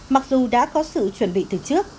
mặc dù đã có sự chuẩn bị từ trước